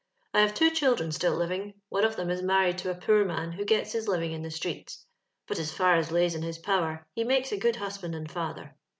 I have two children still living. One of them is married to a poor man, who gets his living in the streets; but as far as lays in his power he makes a good husband and father.